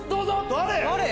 誰？